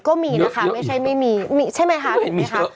ก็มีนะคะไม่ใช่ไม่มีมีใช่ไหมคะถูกไหมคะ